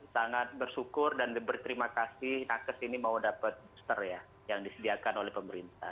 sangat bersyukur dan berterima kasih nakas ini mau dapat booster ya yang disediakan oleh pemerintah